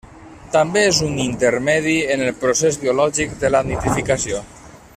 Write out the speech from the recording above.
També és un intermedi en el procés biològic de la nitrificació.